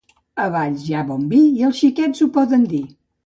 A Valls hi ha bon vi i els Xiquets ho poden dir.